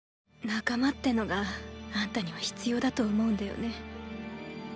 “仲間”ってのがあんたには必要だと思うんだよね。